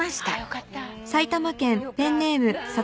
よかったね。